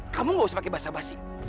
kamu nggak usah pakai basa basi